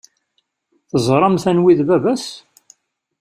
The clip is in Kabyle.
Teẓramt anwa i d baba-s?